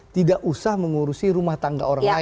tidak usah mengurusi rumah tangga orang lain